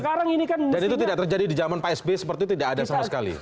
dan itu tidak terjadi di zaman pak s b seperti itu tidak ada sama sekali